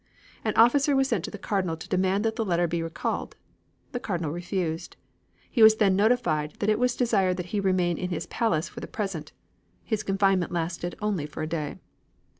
An officer was sent to the Cardinal to demand that the letter be recalled. The Cardinal refused. He was then notified that it was desired that he remain in his palace for the present. His confinement lasted only for a day.